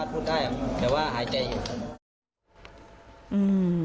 แต่ว่าหายใจอยู่